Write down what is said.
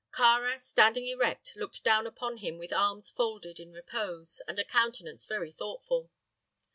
Kāra, standing erect, looked down upon him with arms folded in repose and a countenance very thoughtful.